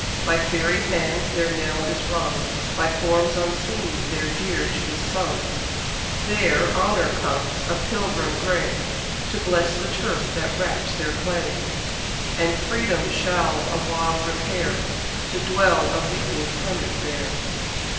By fairy hands their knell is rung, By forms unseen their dirge is sung; There Honour comes, a pilgrim gray, To bless the turf that wraps their clay; And Freedom shall awhile repair, To dwell a weeping hermit there!